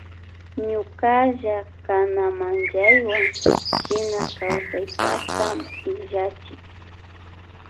Ñukalla kana manllaywan shina kawsaypakta illachin.